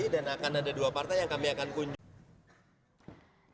dan akan ada dua partai yang kami akan kunjungi